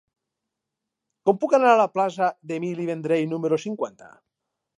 Com puc anar a la plaça d'Emili Vendrell número cinquanta?